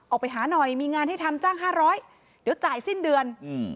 ออกไปหาหน่อยมีงานให้ทำจ้างห้าร้อยเดี๋ยวจ่ายสิ้นเดือนอืม